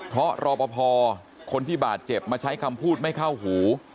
เพราะรอปภคนที่บาดเจ็บมาใช้คำพูดไม่เข้าหู